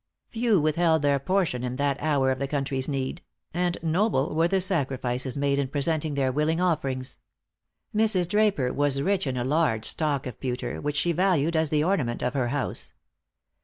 Few withheld their portion in that hour of the country's need; and noble were the sacrifices made in presenting their willing offerings. Mrs. Draper was rich in a large stock of pewter, which she valued as the ornament of her house.